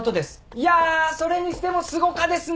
いやそれにしてもすごかですね！